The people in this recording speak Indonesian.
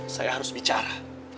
saya harus bicara